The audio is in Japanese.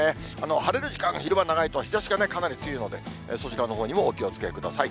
晴れる時間、昼間長いと日ざしがね、かなり強いので、そちらのほうにもお気をつけください。